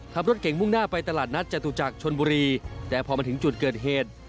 ขับรถเก่งมุ่งหน้าไปตลาดนัดจตุจักรชนบุรีแต่พอมาถึงจุดเกิดเหตุ